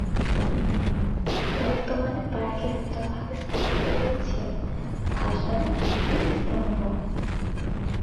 বর্তমানে পার্কের উত্তর ভাগে স্থাপিত হয়েছে ভাষা স্মৃতিস্তম্ভ।